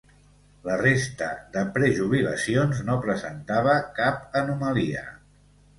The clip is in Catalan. La resta de prejubilacions no presentava cap anomalia.